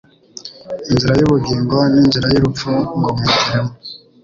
inzira y ubugingo n inzira y urupfu ngo mwihitiremo